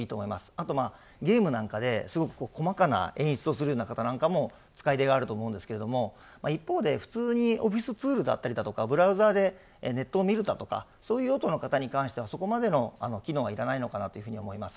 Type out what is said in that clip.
あとゲームなんかですごく細かな演出をするような方なんかも使い手があると思うんですが一方で、普通にオフィスツールだったりとかブラウザでネットを見るだとかそういう用途の方に関してはそこまでの機能はいらないのかな